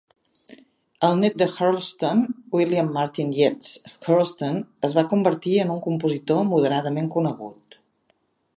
El net de Hurlstone, William Martin Yeates Hurlstone es va convertir en un compositor moderadament conegut.